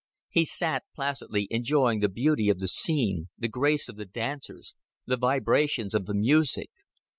He sat placidly enjoying the beauty of the scene, the grace of the dancers, the vibrations of the music.